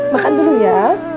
makan dulu ya